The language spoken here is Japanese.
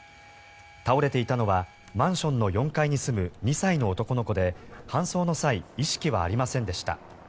倒れていたのはマンションの４階に住む２歳の男の子で搬送の際意識はありませんでした。